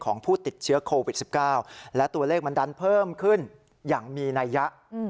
ผู้ติดเชื้อโควิด๑๙และตัวเลขมันดันเพิ่มขึ้นอย่างมีนัยยะ